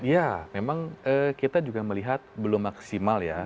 ya memang kita juga melihat belum maksimal ya